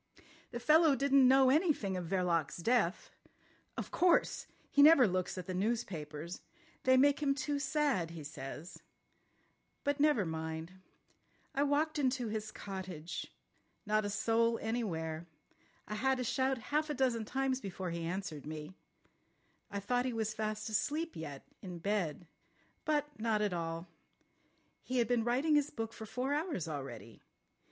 "The fellow didn't know anything of Verloc's death. Of course! He never looks at the newspapers. They make him too sad, he says. But never mind. I walked into his cottage. Not a soul anywhere. I had to shout half a dozen times before he answered me. I thought he was fast asleep yet, in bed. But not at all. He had been writing his book for four hours already.